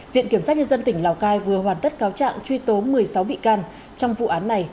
viện kiểm sát nhân dân tỉnh lào cai vừa hoàn tất cáo trạng truy tố một mươi sáu bị can trong vụ án này